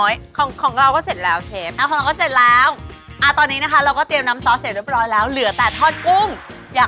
อยากทอดแล้วอ่ะ